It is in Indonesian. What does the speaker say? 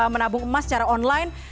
menabung emas secara online